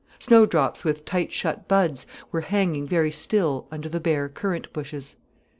Snowdrops with tight shut buds were hanging very still under the bare currant bushes.